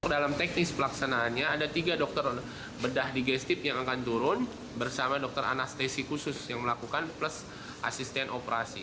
dalam teknis pelaksanaannya ada tiga dokter bedah digestif yang akan turun bersama dokter anestesi khusus yang melakukan plus asisten operasi